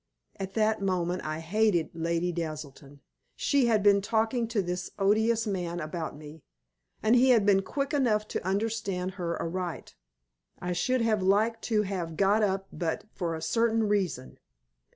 At that moment I hated Lady Naselton. She had been talking to this odious man about me, and he had been quick enough to understand her aright. I should have liked to have got up but for a certain reason.